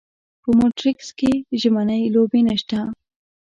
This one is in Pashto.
په مونټریکس کې ژمنۍ لوبې نشته.